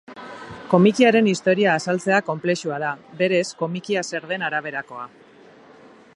Komikiaren historia azaltzea konplexua da, berez komikia zer den araberakoa.